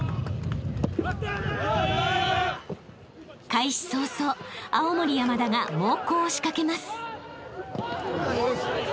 ［開始早々青森山田が猛攻を仕掛けます］